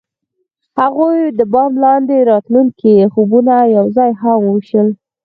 هغوی د بام لاندې د راتلونکي خوبونه یوځای هم وویشل.